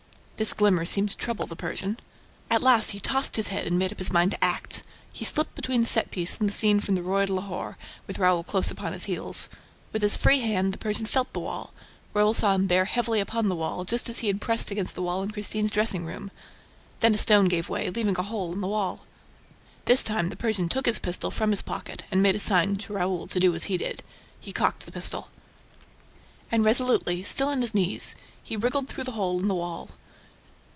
This glimmer seemed to trouble the Persian. At last, he tossed his head and made up his mind to act. He slipped between the set piece and the scene from the ROI DE LAHORE, with Raoul close upon his heels. With his free hand, the Persian felt the wall. Raoul saw him bear heavily upon the wall, just as he had pressed against the wall in Christine's dressing room. Then a stone gave way, leaving a hole in the wall. This time, the Persian took his pistol from his pocket and made a sign to Raoul to do as he did. He cocked the pistol. And, resolutely, still on his knees, he wiggled through the hole in the wall.